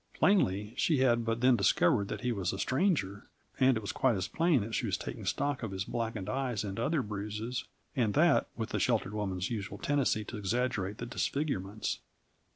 Plainly, she had but then discovered that he was a stranger and it was quite as plain that she was taking stock of his blackened eyes and other bruises, and that with the sheltered woman's usual tendency to exaggerate the disfigurements.